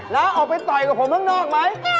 ออกไปต่อยกับผมข้างนอกไหม